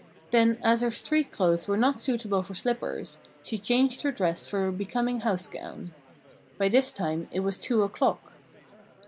Then, as her street clothes were not suitable for slippers, she changed her dress for a becoming house gown. By this time it was two o'clock.